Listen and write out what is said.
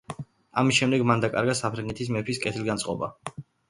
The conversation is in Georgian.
ამის შემდეგ მან დაკარგა საფრანგეთის მეფის კეთილგანწყობა.